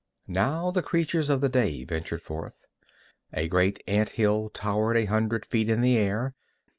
Now the creatures of the day ventured forth. A great ant hill towered a hundred feet in the air.